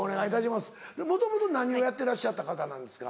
もともと何をやってらっしゃった方なんですか？